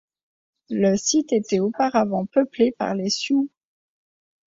Le site était auparavant peuplé par les Sioux.